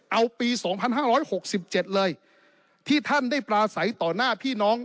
เอาปี๒๕๖๗เลยที่ท่านได้ปลาใสต่อหน้าพี่น้อง